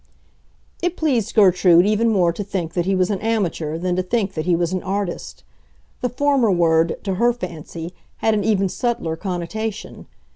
It pleased Gertrude even more to think that he was an amateur than to think that he was an artist; the former word, to her fancy, had an even subtler connotation.